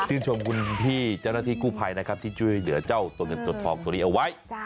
ชมคุณพี่เจ้าหน้าที่กู้ภัยนะครับที่ช่วยเหลือเจ้าตัวเงินตัวทองตัวนี้เอาไว้